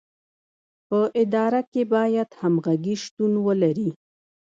په اداره کې باید همغږي شتون ولري.